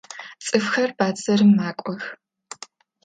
Цӏыфхэр бэдзэрым макӏох.